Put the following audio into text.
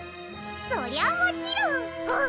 そりゃもちろんはっ！